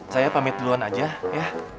saya pamit duluan aja ya